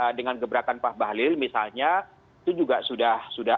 ternyata dengan gebrakan pak bahlil misalnya itu juga sudah bisa akurasi